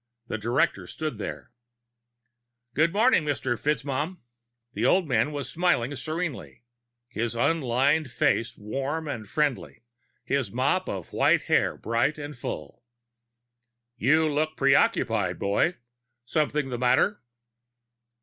The director stood there. "Good morning, Mr. FitzMaugham." The old man was smiling serenely, his unlined face warm and friendly, his mop of white hair bright and full. "You look preoccupied, boy. Something the matter?"